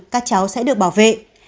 các cháu sẽ được bảo vệ